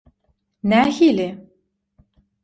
Nähili